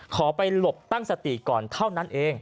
ขอไปหลบตั้งสติก่อนเท่านั้นเอง